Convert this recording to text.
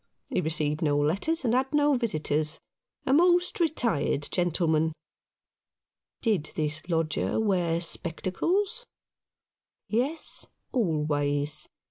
He received no letters and had no visitors — a most retired gentle man." Did this lodger wear spectacles ? Yes, always.